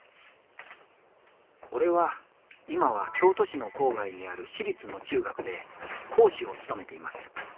俺は今は京都市の郊外にある市立の中学で講師を務めています。